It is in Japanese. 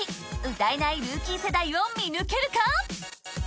歌えないルーキー世代を見抜けるか？